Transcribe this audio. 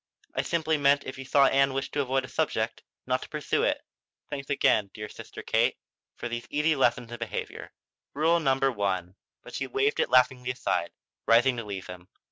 I simply meant if you saw Ann wished to avoid a subject, not to pursue it." "Thanks again, dear Sister Kate, for these easy lessons in behavior. Rule 1 " But she waved it laughingly aside, rising to leave him.